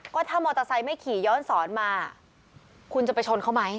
ก็ถ้ามอเตอร์ไซค์ไม่ขี่ย้อนสอนมาคุณจะไปชนเขาไหม